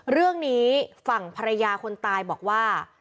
เรื่องนี้ฝั่งภรรยาคนตายบอกว่า